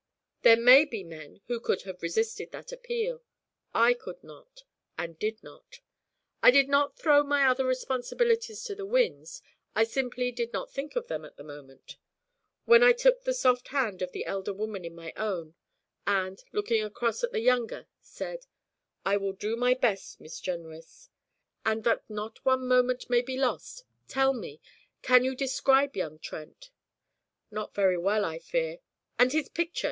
There may be men who could have resisted that appeal. I could not, and did not. I did not throw my other responsibilities to the winds; I simply did not think of them at the moment, when I took the soft hand of the elder woman in my own, and, looking across at the younger, said: 'I will do my best, Miss Jenrys, and, that not one moment may be lost, tell me, can you describe young Trent?' 'Not very well, I fear.' 'And his picture?